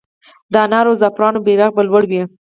د انار او زعفرانو بیرغ به لوړ وي؟